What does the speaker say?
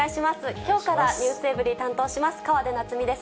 きょうからｎｅｗｓｅｖｅｒｙ．担当します、河出奈都美です。